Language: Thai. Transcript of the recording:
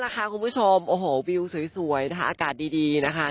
คุณผู้ชมโอ้โหวิวสวยนะคะอากาศดีนะคะ